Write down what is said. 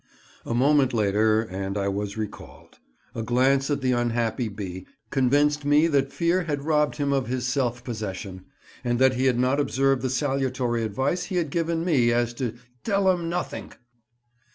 A moment later, and I was recalled: a glance at the unhappy B— convinced me that fear had robbed him of his self possession, and that he had not observed the salutary advice he had given me as to "telling 'em nothink."